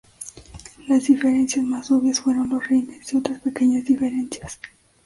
Las diferencias más obvias fueron los rines, y otras pequeñas diferencias.